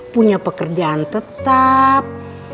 punya pekerjaan tetap